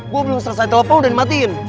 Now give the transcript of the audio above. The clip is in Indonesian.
gua belom selesai telepon udah dimatiin